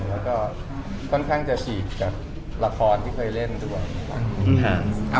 แล้วก็ค่อนข้างจะฉีกกับละครที่เคยเล่นด้วย